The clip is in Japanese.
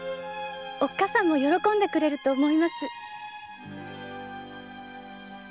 おっかさんも喜んでくれると思います。